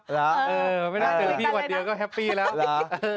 หรอเออไม่ได้เจอกันพี่หวัดเดียวก็แฮปปี้แล้วหรือ